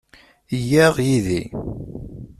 Yyaɣ yid-i.